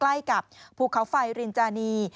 ใกล้กับภูเขาไฟรินจานี